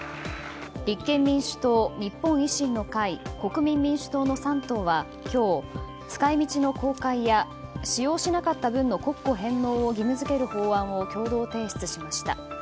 立憲民主党、日本維新の会国民民主党の３党は今日、使い道の公開や使用しなかった分の国庫返納を義務付ける法案を共同提出しました。